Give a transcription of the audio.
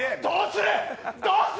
どうする！